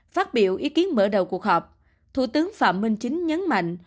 phát biểu ý kiến mở đầu cuộc họp thủ tướng phạm minh chính nhấn mạnh